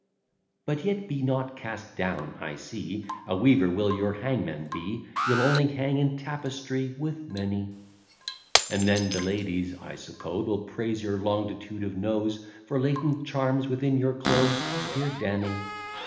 But yet be not cast down: I see A weaver will your hangman be: You'll only hang in tapestry with many; And then the ladies, I suppose, Will praise your longitude of nose, For latent charms within your clothes, dear Danny.